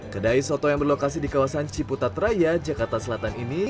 kedai soto yang berlokasi di kawasan ciputat raya jakarta selatan ini